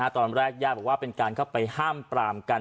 ตอนแรกญาติบอกว่าเป็นการเข้าไปห้ามปรามกัน